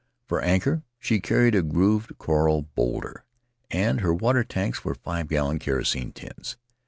For anchor, she carried a grooved coral bowlder, and her water tanks were five gallon kerosene tins.